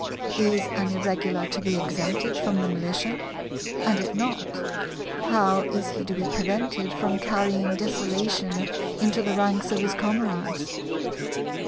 Is an Irregular to be exempted from the militia? And if not, how is he to be prevented from carrying desolation into the ranks of his comrades?